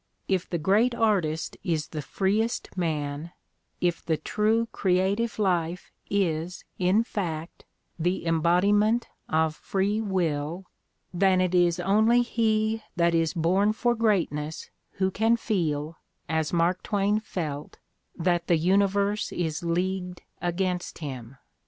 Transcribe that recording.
If the great artist is the freest man, if the true creative life is, in fact, the embodiment of "free will," then it is only he that is born for greatness who can feel, as Mark Twain felt, that the universe is leagued against him.